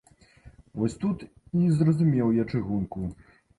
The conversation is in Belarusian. Вось тут і зразумеў я чыгунку.